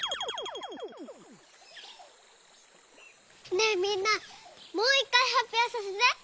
ねえみんなもういっかいはっぴょうさせて。